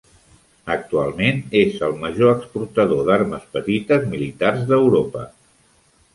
Actualment és el major exportador d'armes petites militars d'Europa.